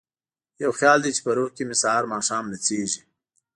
یو خیال دی چې په روح کې مې سهار ماښام نڅیږي